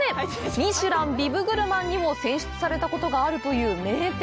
ミシュランビブグルマンにも選出されたことがあるという名店。